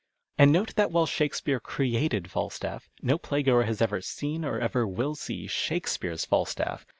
And note that wliile Shakespeare " created " Falstaff, no playgoer has ever seen or ever will see Shakespeare's Falstaff.